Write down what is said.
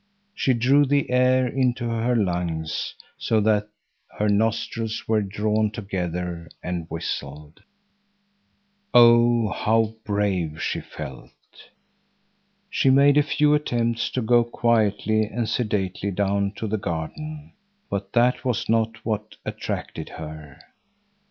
She drew the air into her lungs so that her nostrils were drawn together and whistled. Oh, how brave she felt! She made a few attempts to go quietly and sedately down to the garden, but that was not what attracted her.